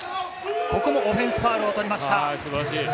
ここもオフェンスファウルを取りました。